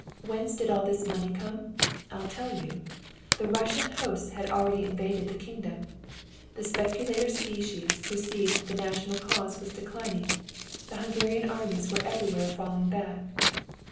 Whence did all this money come? I'll tell you. The Russian hosts had already invaded the kingdom. The speculator species perceived that the national cause was declining. The Hungarian armies were everywhere falling back.